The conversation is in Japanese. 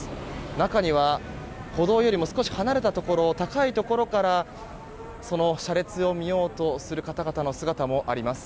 中には歩道よりも少し離れたところ高いところからその車列を見ようとする方々の姿もあります。